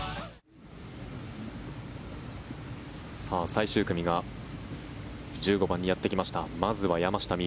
最終組が１５番にやってきました。